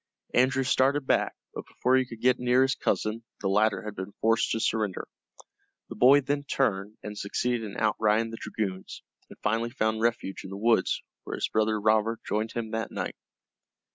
Andrew started back, but before he could get near his cousin the latter had been forced to surrender. The boy then turned, and succeeded in outriding the dragoons, and finally found refuge in the woods, where his brother Robert joined him that night.